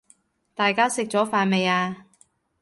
大家食咗飯未呀？